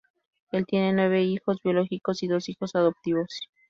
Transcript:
Él tiene nueve hijos biológicos y dos hijos adoptivos.